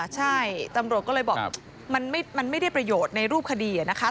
ใช่ตำรวจก็เลยบอกมันไม่ได้ประโยชน์ในรูปคดีนะคะ